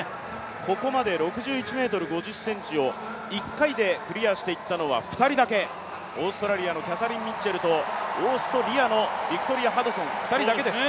ここまで６１ｍ５０ｃｍを１回でクリアしていったのは２人だけオーストラリアのキャサリン・ミッチェルとオーストリアのビクトリア・ハドソン、２人だけです